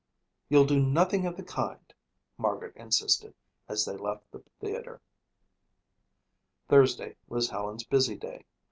"You'll do nothing of the kind," Margaret insisted, as they left the theater. Thursday was Helen's busy day.